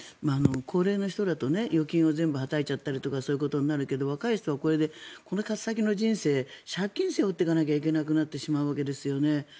高齢の人だと預金を全部はたいちゃったりとかそういうことになるけど若い人はこれから先の人生借金を背負っていかないといけなくなるわけですよね。